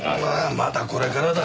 まだこれからだ。